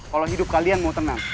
kalau hidup kalian mau tenang